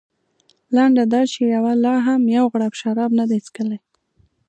لنډه دا چې یوه لا هم یو غړپ شراب نه دي څښلي.